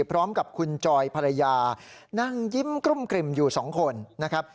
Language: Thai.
พร้อมกับคุณจอยภรรยานั่งยิ้มกลุ้มกลิ่มอยู่สองคนนะครับ